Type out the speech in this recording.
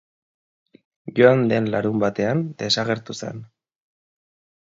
Joan de larunbatean desagertu zen.